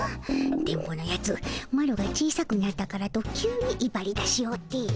電ボのやつマロが小さくなったからと急にいばりだしおって。